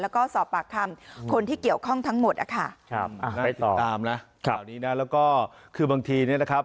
แล้วก็สอบปากคำคนที่เกี่ยวข้องทั้งหมดอะค่ะ